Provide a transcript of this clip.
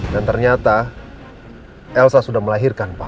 dan ternyata elsa sudah melahirkan pak